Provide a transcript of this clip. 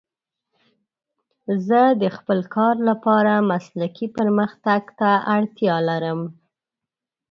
زه د خپل کار لپاره مسلکي پرمختګ ته اړتیا لرم.